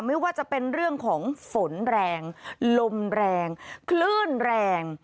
ไม่ว่าจะเป็นเรื่องของฝนแรงลมแรงคลื่นแรง